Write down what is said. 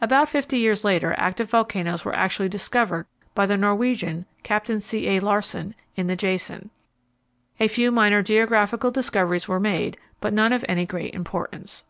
About fifty years later active volcanoes were actually discovered by the Norwegian, Captain C. A. Larsen, in the Jason. A few minor geographical discoveries were made, but none of any great importance.